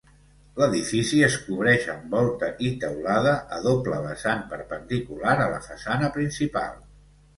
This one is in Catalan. L'edifici es cobreix amb volta i teulada a doble vessant perpendicular a la façana principal.